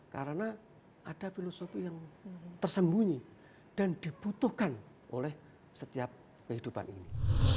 karena ada filosofi yang tersembunyi dan dibutuhkan oleh setiap kehidupan ini